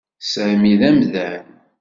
Sami d amdan.